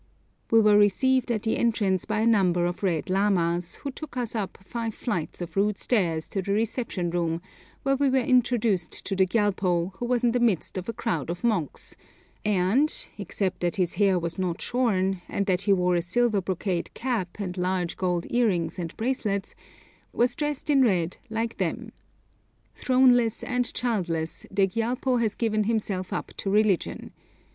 We were received at the entrance by a number of red lamas, who took us up five flights of rude stairs to the reception room, where we were introduced to the Gyalpo, who was in the midst of a crowd of monks, and, except that his hair was not shorn, and that he wore a silver brocade cap and large gold earrings and bracelets, was dressed in red like them. Throneless and childless, the Gyalpo has given himself up to religion.